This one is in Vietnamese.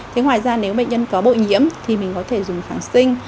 thế ngoài ra nếu bệnh nhân có bội nhiễm thì mình có thể dùng kháng sinh